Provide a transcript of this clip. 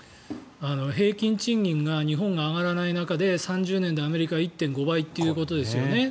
平均賃金が日本が上がらない中で３０年でアメリカは１．５倍ということですよね。